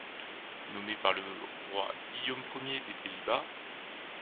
Nommé par le roi Guillaume Ier des Pays-Bas.